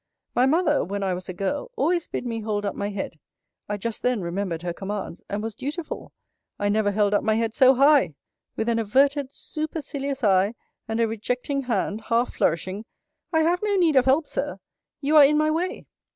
My mother, when I was a girl, always bid me hold up my head. I just then remembered her commands, and was dutiful I never held up my head so high. With an averted supercilious eye, and a rejecting hand, half flourishing I have no need of help, Sir! You are in my way.